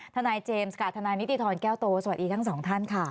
ทนายเจมส์กับทนายนิติธรแก้วโตสวัสดีทั้งสองท่านค่ะ